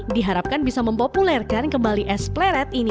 diharapkan bisa mempopulerkan kembali es pleret ini